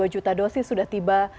dua juta dosis sudah tiba